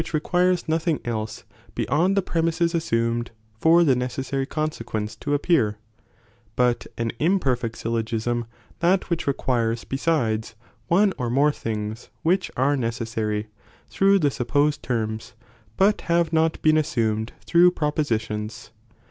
'' requires nothing else, beyond (the premises) as sumed, for the necessary (consequence) to appear : but an imperfect syllogism, that which requires besides, one or more things, which are necessary, through the supposed terms, but have not been assumed through propositions.